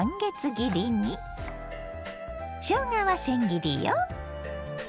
しょうがはせん切りよ。